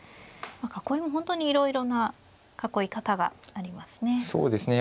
囲いも本当にいろいろな囲い方がありますね。